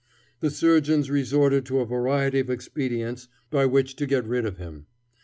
The surgeons resorted to a variety of expedients by which to get rid of him.